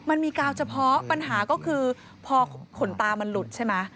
มันมีกาวเฉพาะปัญหาก็คือพอขนตามันหลุดใช่ไหม